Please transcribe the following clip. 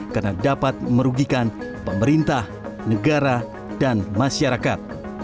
karena dapat merugikan pemerintah negara dan masyarakat